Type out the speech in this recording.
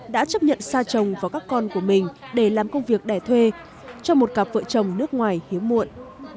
đã chấp nhận sa chồng vào các con của mình để làm công việc đẻ thuê cho một cặp vợ chồng nước ngoài hiếu muộn